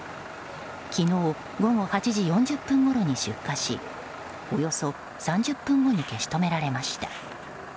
昨日午後８時４０分ごろに出火しおよそ３０分後に消し止められました。